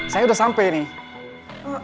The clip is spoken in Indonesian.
saya udah sampai nih